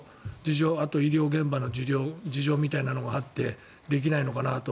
あと医療現場の事情みたいなのがあってできないのかなと。